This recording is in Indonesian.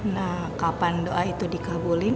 nah kapan doa itu dikabulin